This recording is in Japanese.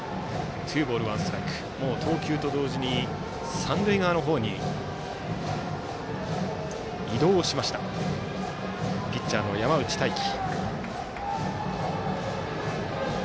投球と同時に三塁側の方に移動しましたピッチャーの山内太暉。